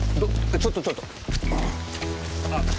ちょっとちょっと。